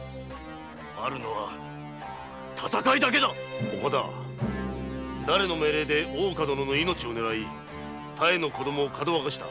あるのは戦いだけだ岡田だれの命令で大岡殿の命をねらい妙の子供をかどわかした？